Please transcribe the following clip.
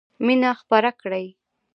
مینه خپره کړئ!